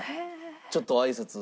ちょっと挨拶に。